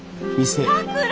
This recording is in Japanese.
さくら！